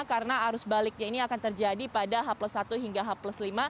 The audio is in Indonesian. karena arus baliknya ini akan terjadi pada h plus satu hingga h plus lima